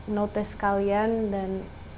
notice kalian dan